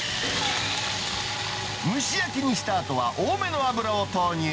蒸し焼きにしたあとは、多めの油を投入。